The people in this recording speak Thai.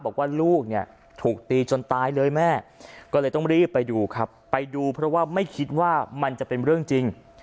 บอกว่าลูกเนี่ยถูกตีจนตายเลยแม่ก็เลยต้องรีบไปดูครับไปดูเพราะว่าไม่คิดว่ามันจะเป็นเรื่องจริง